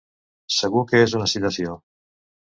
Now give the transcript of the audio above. Segur que és una citació.